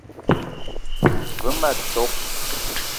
Ve ma tok :